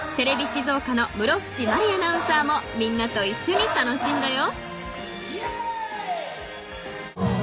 静岡の室伏真璃アナウンサーもみんなといっしょに楽しんだよ］